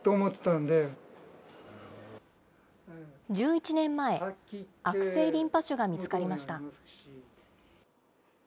１１年前、悪性リンパ腫が見つかりました。